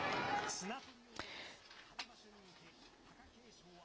綱とりを目指す春場所に向け、貴景勝は。